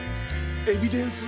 エビデンス！